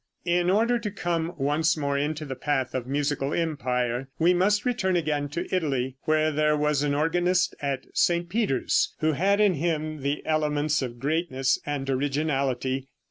In order to come once more into the path of musical empire, we must return again to Italy, where there was an organist at St. Peter's, who had in him the elements of greatness and originality.